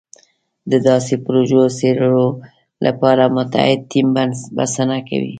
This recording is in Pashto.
د داسې پروژو څېړلو لپاره متعهد ټیم بسنه کوي.